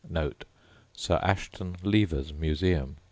Sir Ashton Lever's Museum.